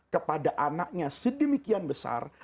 kepada anaknya sedemikian besar